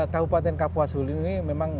kabupaten kapuas hul ini memang